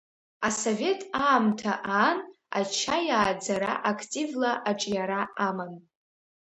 Асовет аамҭа аан ачаиааӡара активла аҿиара аман.